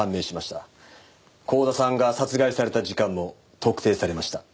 光田さんが殺害された時間も特定されました。